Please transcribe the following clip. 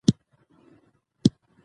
ښځو وویل چې قبر یې ویجاړ دی.